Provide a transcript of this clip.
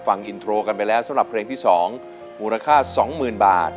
ฟังอินโทรกันไปแล้วสำหรับเพลงที่๒มูลค่า๒๐๐๐บาท